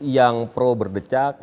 yang pro berdecak